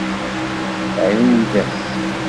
Ɛiwed-as.